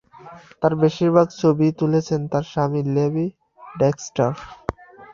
তার বেশিরভাগ ছবিই তুলেছেন তার স্বামী লেভি ডেক্সটার।